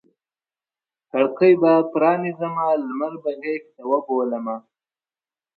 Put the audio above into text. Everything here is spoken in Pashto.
کړکۍ به پرانیزمه لمر به غیږته وبولمه